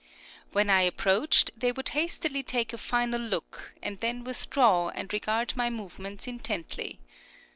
When I approached they would hastily take a final look, and then withdraw and regard my movements intently.